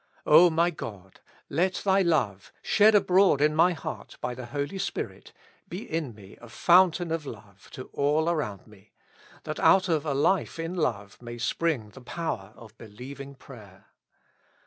O my God ! let Thy love, shed abroad in my heart by the Holy Spirit, be in me a fountain of love to all around me, that out of a life in love may spring the power of believing prayer.